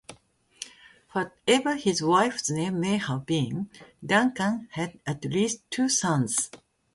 Whatever his wife's name may have been, Duncan had at least two sons.